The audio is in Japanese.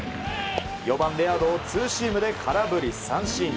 ４番、レアードをツーシームで空振り三振。